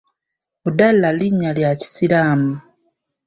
Budalah linnya lya Kisiraamu.